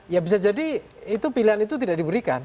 ya bisa jadi itu pilihan itu tidak diberikan